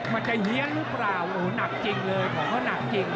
มันจะเฮียนหรือเปล่าโอ้โหหนักจริงเลยบอกว่าหนักจริง